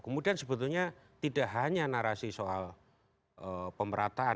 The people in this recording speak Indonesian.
kemudian sebetulnya tidak hanya narasi soal pemerataan